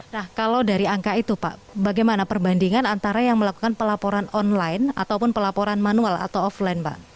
nah kalau dari angka itu pak bagaimana perbandingan antara yang melakukan pelaporan online ataupun pelaporan manual atau offline pak